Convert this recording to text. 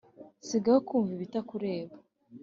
sigaho kumva ibatukureba